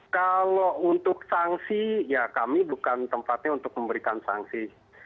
kalau untuk sanksi ya kami bukan tempatnya untuk memberikan sanksi